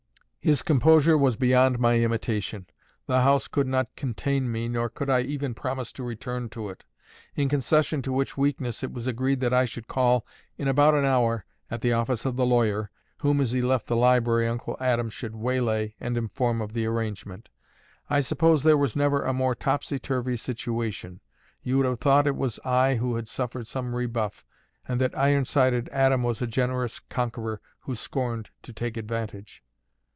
His composure was beyond my imitation: the house could not contain me, nor could I even promise to return to it: in concession to which weakness, it was agreed that I should call in about an hour at the office of the lawyer, whom (as he left the library) Uncle Adam should waylay and inform of the arrangement. I suppose there was never a more topsy turvy situation: you would have thought it was I who had suffered some rebuff, and that iron sided Adam was a generous conqueror who scorned to take advantage.